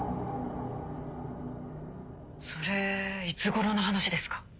それいつ頃の話ですか？